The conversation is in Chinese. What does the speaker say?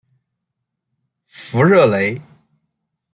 弗热雷。